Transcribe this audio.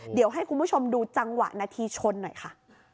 เดี๋ยวให้คุณผู้ชมดูจังหวะนาทีชนหน่อยค่ะ